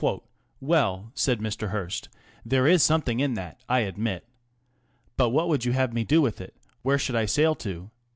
Well," said Mr. Hearst, " there is something in that, I admit. But what would you have me do with it ? Where should I sail to